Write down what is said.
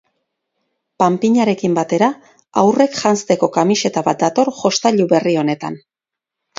Panpinarekin batera haurrek janzteko kamiseta bat dator jostailu berri honetan.